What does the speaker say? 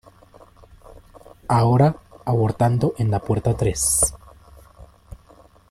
Ahora abordando en la puerta tres.